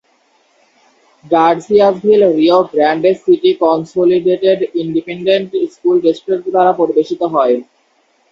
Garciasville Rio Grande City Consolidated Independent School District দ্বারা পরিবেশিত হয়।